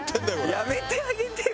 やめてあげてよ